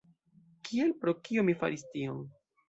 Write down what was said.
Kial, pro kio mi faris tion?